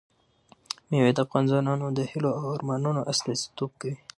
مېوې د افغان ځوانانو د هیلو او ارمانونو استازیتوب کوي.